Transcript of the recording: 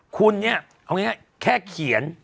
คุณเนี่ยเอาง่ายแค่เขียน